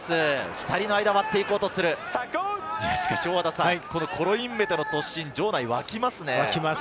２人の間を割って行こうとするコロインベテの突進、場内が沸きますね。